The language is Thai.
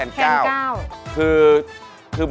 สวัสดีครับ